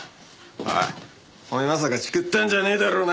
おいお前まさかチクったんじゃねえだろうな？